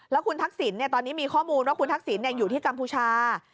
แล้วคุณทักศิลป์เนี่ยตอนนี้มีข้อมูลว่าคุณทักศิลป์เนี่ยอยู่ที่กัมพูชา